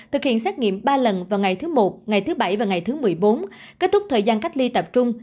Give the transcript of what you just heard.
thực hiện xét nghiệm ba lần vào ngày thứ một ngày thứ bảy và ngày thứ một mươi bốn kết thúc thời gian cách ly tập trung